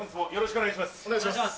お願いします。